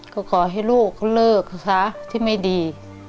ก็ขอให้ลูกเลิกศึกษาที่ไม่ดี